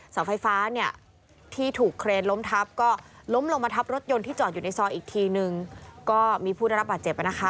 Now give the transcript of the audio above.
เสาไฟฟ้าเนี่ยที่ถูกเครนล้มทับก็ล้มลงมาทับรถยนต์ที่จอดอยู่ในซอยอีกทีนึงก็มีผู้ได้รับบาดเจ็บนะคะ